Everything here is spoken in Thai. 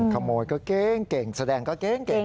ขโมยก็เก้งเก่งแสดงก็เก้ง